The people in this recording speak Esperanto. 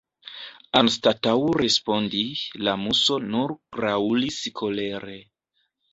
Anstataŭ respondi, la Muso nur graŭlis kolere.